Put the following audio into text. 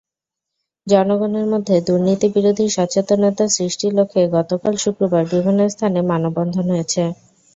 জনগণের মধ্যে দুর্নীতিবিরোধী সচেতনতা সৃষ্টির লক্ষ্যে গতকাল শুক্রবার বিভিন্ন স্থানে মানববন্ধন হয়েছে।